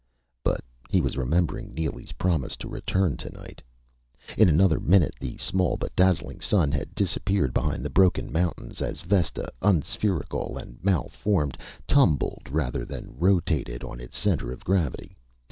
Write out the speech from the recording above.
But he was remembering Neely's promise to return tonight. In another minute the small but dazzling sun had disappeared behind the broken mountains, as Vesta, unspherical and malformed, tumbled rather than rotated on its center of gravity.